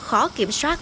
khó kiểm soát